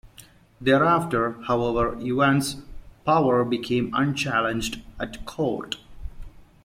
Thereafter, however, Yuan's power became unchallenged at court.